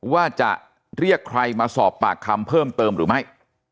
ว่าจะเรียกใครมาสอบปากคำเพิ่มเติมหรือไม่